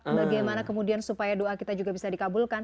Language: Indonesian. bagaimana kemudian supaya doa kita juga bisa dikabulkan